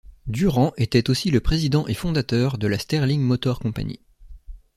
Durant était aussi le président et fondateur de la Sterling Motor Company.